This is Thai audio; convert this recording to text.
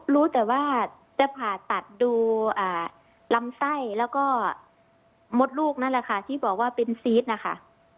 รู้แต่ว่าจะผ่าตัดดูลำไส้แล้วก็มดลูกนั่นแหละค่ะที่บอกว่าเป็นซีสนะคะ